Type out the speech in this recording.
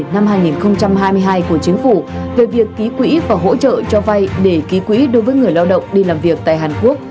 năm hai nghìn hai mươi hai của chính phủ về việc ký quỹ và hỗ trợ cho vay để ký quỹ đối với người lao động đi làm việc tại hàn quốc